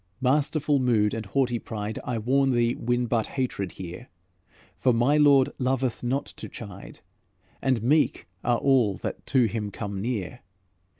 Masterful mood and haughty pride, I warn thee win but hatred here; For my Lord loveth not to chide And meek are all that to Him come near.